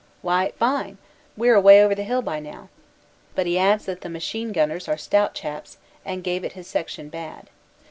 Why, fine; we re away over the hill by now." But he adds that the machine gunners are stout chaps and gave it his section bad.